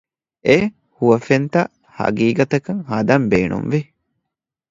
އެ ހުވަފެންތައް ހަގީގަތަކަށް ހަދަން ބޭނުންވި